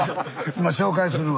今紹介するわ。